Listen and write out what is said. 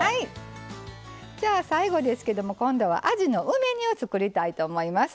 最後ですけども今度はあじの梅煮を作りたいと思います。